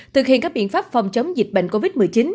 thực hiện các biện pháp phòng chống dịch bệnh covid một mươi chín